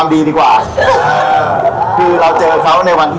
ไม่มีการที่ว่าเออรักนะอะไรอย่างนี้